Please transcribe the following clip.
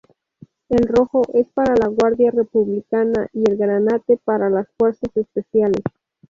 El rojo es para la Guardia Republicana, y el granate para las Fuerzas Especiales.